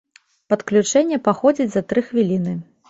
Падключэнне паходзіць за тры хвіліны.